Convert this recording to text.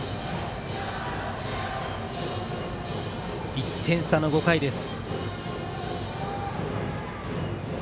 １点差の５回です。